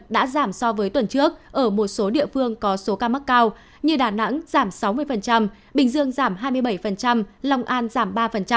đã giảm so với tuần trước ở một số địa phương có số ca mắc cao như đà nẵng giảm sáu mươi bình dương giảm hai mươi bảy long an giảm ba